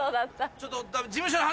ちょっと事務所で話。